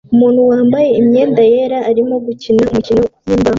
Umuntu wambaye imyenda yera arimo gukina umukino yimbaho